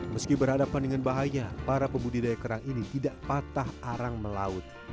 meski berhadapan dengan bahaya para pembudidaya kerang ini tidak patah arang melaut